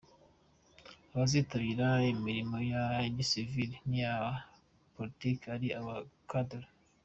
Abazitabira Imilimo ya gisivire n’iya Politiki ari aba Cadre